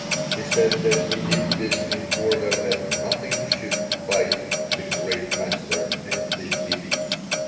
He said that he did this in order that "nothing should bite the great master and the bibi."